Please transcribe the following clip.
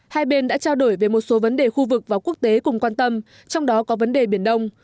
hai bên đã trao đổi về một số vấn đề khu vực và quốc tế cùng quan tâm trong đó có vấn đề biển đông